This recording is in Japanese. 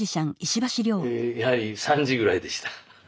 やはり３時ぐらいでした。